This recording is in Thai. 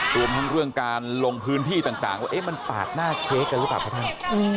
รวมทั้งเรื่องการลงพื้นที่ต่างว่ามันปาดหน้าเค้กกันหรือเปล่าครับท่าน